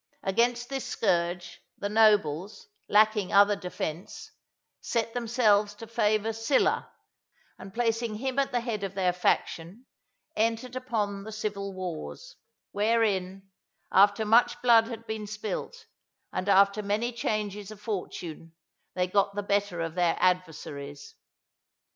Against this scourge, the nobles, lacking other defence, set themselves to favour Sylla, and placing him at the head of their faction, entered on the civil wars; wherein, after much blood had been spilt, and after many changes of fortune, they got the better of their adversaries.